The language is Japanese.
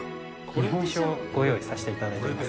日本酒をご用意させていただいております。